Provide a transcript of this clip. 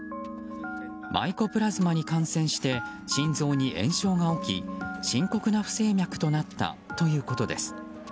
マイコプラズマに感染して心臓に炎症が起き深刻な不整脈となったということです。